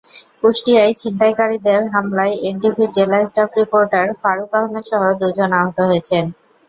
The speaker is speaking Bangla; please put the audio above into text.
কুষ্টিয়ায় ছিনতাইকারীদের হামলায় এনটিভির জেলা স্টাফ রিপোর্টার ফারুক আহমেদসহ দুজন আহত হয়েছেন।